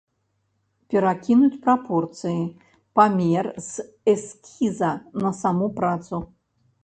Перакінуць прапорцыі, памер з эскіза на саму працу.